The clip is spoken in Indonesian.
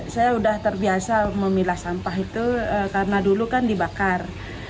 saya sudah terbiasa memilah sampah itu karena dulu kan dibakar